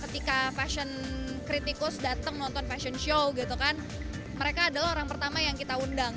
ketika fashion kritikus datang nonton fashion show gitu kan mereka adalah orang pertama yang kita undang